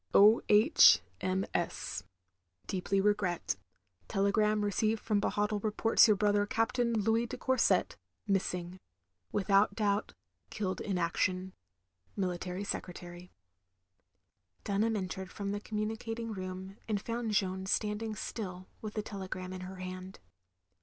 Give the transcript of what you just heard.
0. H. M. 5. Deeply regret. .".. telegram received from Bo hotle reports your brother Captain Louis de Courset ... missing. Without doubt killed in action. Military Secretary. 300 THE LONELY LADY Dtmharn entered from the communicating room and found Jeanne standing still with the telegram in her hand.